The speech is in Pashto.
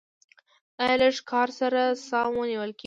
ایا لږ کار سره ساه مو نیول کیږي؟